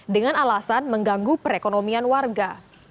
dengan alasan mengganggu perekonomian warga